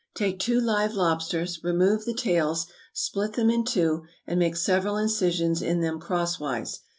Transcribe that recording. = Take two live lobsters, remove the tails, split them in two, and make several incisions in them crosswise.